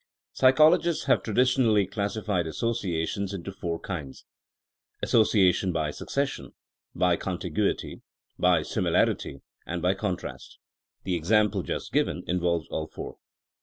Psychologists have traditionally classified associations into four kinds t association by succession, by contiguity, by similarity and by contrast. The example just given involves all four.